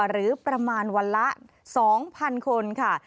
หรือประมาณวันละ๒๐๐๐คนค่ะ